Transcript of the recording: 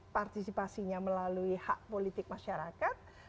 partisipasinya melalui hak politik masyarakat